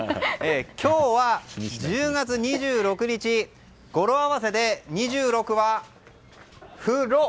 今日は１０月２６日語呂合わせで２６は、ふろ。